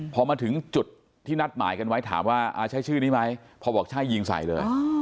พอมาถึงจุดที่นัดหมายกันไว้ถามว่าใช้ชื่อนี้ไหมพอบอกใช่ยิงใส่เลย